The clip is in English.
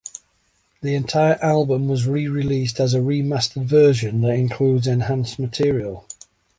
The entire album was re-released as a remastered version that includes enhanced material.